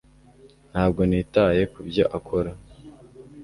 ntabwo nitaye kubyo akora